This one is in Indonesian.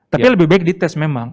tapi lebih baik dites memang